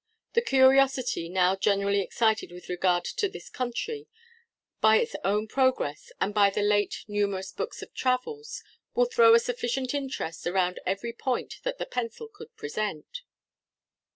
The curiosity now generally excited with regard to this country, by its own progress, and by the late numerous books of travels, will throw a sufficient interest around every point that the pencil could present.